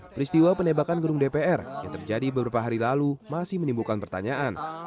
peristiwa penembakan gedung dpr yang terjadi beberapa hari lalu masih menimbulkan pertanyaan